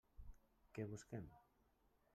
Què busquem?